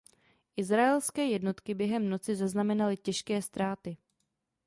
Izraelské jednotky během noci zaznamenaly těžké ztráty.